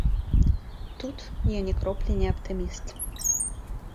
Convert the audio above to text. Тут я ні кроплі не аптыміст.